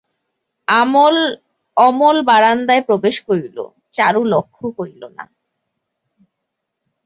অমল বারান্দায় প্রবেশ করিল, চারু লক্ষও করিল না।